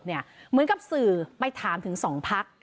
เหมือนกับสื่อไปถามถึงสองพรรค